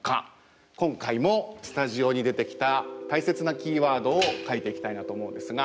今回もスタジオに出てきた大切なキーワードを書いていきたいなと思うんですが。